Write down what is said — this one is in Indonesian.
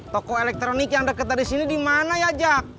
toko elektronik yang deket tadi sini di mana ya jack